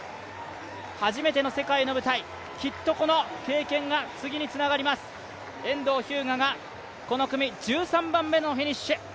初めての世界の舞台、きっとこの経験が次につながります、遠藤日向がこの組１３番目のフィニッシュ。